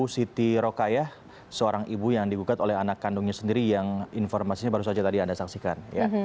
siti rokayah seorang ibu yang digugat oleh anak kandungnya sendiri yang informasinya baru saja tadi anda saksikan